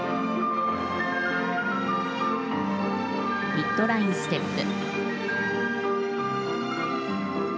ミッドラインステップ。